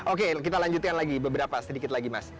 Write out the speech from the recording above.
oke kita lanjutkan lagi beberapa sedikit lagi mas